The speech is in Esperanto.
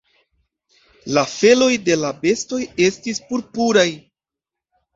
La feloj de la bestoj estis purpuraj.